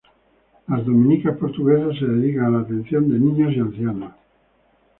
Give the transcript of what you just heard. Las dominicas portuguesas se dedican a la atención de niños y ancianos.